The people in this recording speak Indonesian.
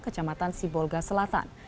kecamatan sibolga selatan